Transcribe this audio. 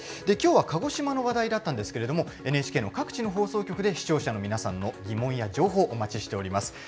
きょうは鹿児島の話題だったんですけれども、ＮＨＫの各地の放送局で、視聴者の皆さんの疑問や情報、お待ちしております。